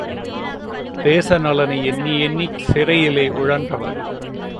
தேச நலனை எண்ணி, எண்ணிச் சிறையிலே உழன்றவர்.